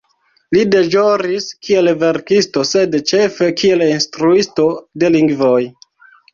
Li deĵoris kiel verkisto sed ĉefe kiel instruisto de lingvoj.